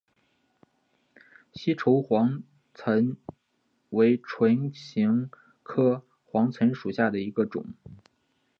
西畴黄芩为唇形科黄芩属下的一个种。